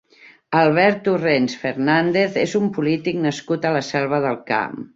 Albert Torrents Fernández és un polític nascut a la Selva del Camp.